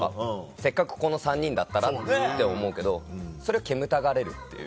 せっかくこの３人だったらって思うけどそれを煙たがれるっていう。